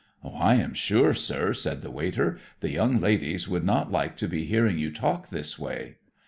"I am sure, sir," said the waiter, "the young ladies would not like to be hearing you talk this way."